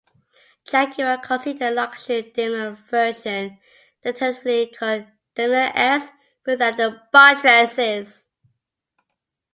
Jaguar considered a luxury Daimler version tentatively called Daimler-S, without the buttresses.